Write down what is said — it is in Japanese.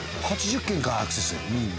８０件かアクセス。